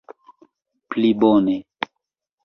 plibone